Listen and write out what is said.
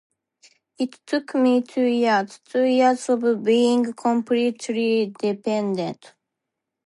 It took me two years; two years of being completely dependent.